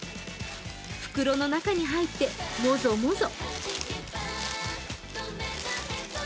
袋の中に入ってもぞもぞ。